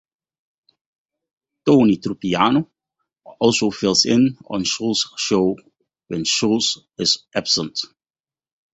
Tony Trupiano also fills in on Schultz's show when Schultz is absent.